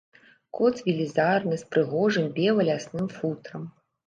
Кот велізарны, з прыгожым бела-лясным футрам.